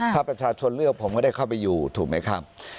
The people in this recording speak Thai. ถ้าประชาชนเลือกผมก็ได้เข้าไปอยู่ถูกไหมครับ